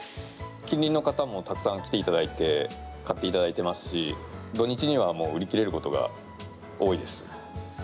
近隣の方もたくさん来ていただいて買っていただいてますし土日にはもう売り切れることが多いです。